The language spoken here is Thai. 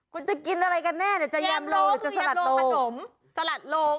คุณจะกินอะไรกันแน่จะแยมโลหรือจะสลัดโล